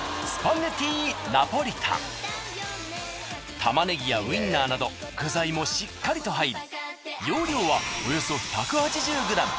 玉ねぎやウインナーなど具材もしっかりと入り容量はおよそ１８０ｇ。